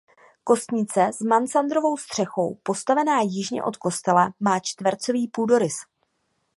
Kostnice s mansardovou střechou postavená jižně od kostela má čtvercový půdorys.